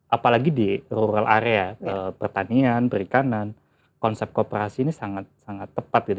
apalagi di rural area pertanian perikanan konsep kooperasi ini sangat sangat tepat gitu